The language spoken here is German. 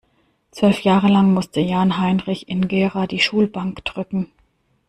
Zwölf Jahre lang musste Jan-Heinrich in Gera die Schulbank drücken.